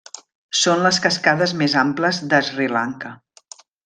Són les cascades més amples de Sri Lanka.